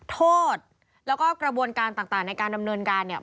โทษแล้วก็กระบวนการต่างในการดำเนินการเนี่ย